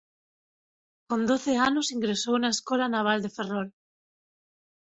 Con doce anos ingresou na Escola Naval de Ferrol.